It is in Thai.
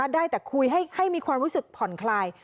ได้แต่คุยให้มีความรู้สึกผ่อนคลาย